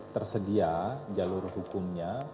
tersedia jalur hukumnya